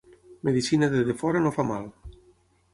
Medecina de defora no fa mal.